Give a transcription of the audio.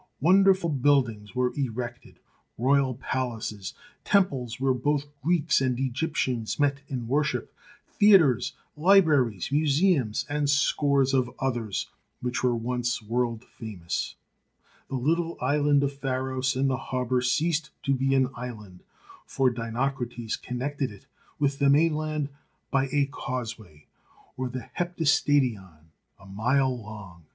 Wonderful buildings were erected, royal palaces, temples where both Greeks and Egyptians met in worship, theatres, libraries, museums, and scores of others which were once world famous. The little island 172 THE SEl/EN WONDERS of Pharos in the harbour ceased to be an island, for Dinocrates connected it with the mainland by a causeway, or the Heptastadion, a mile long.